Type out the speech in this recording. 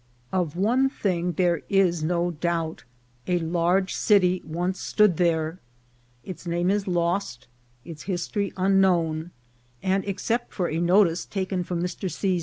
Of one thing there is no doubt : a large city once stood there ; its name is lost, its history unknown ; and, except for a notice taken from Mr. C.'